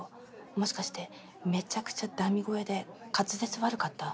もしかしてめちゃくちゃだみ声で滑舌悪かった？